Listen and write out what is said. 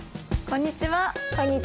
こんにちは。